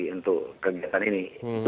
untuk kegiatan ini